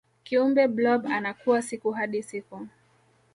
kiumbe blob anakua siku hadi siku